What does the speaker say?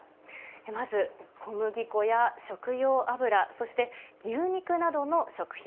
まず小麦粉や食用油、そして牛肉などの食品。